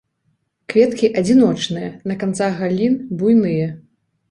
Кветкі адзіночныя, на канцах галін, буйныя.